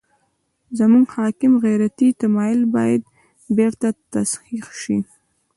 زموږ حاکم غیرتي تمایل باید بېرته تصحیح شي.